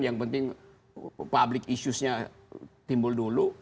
yang penting public issues nya timbul dulu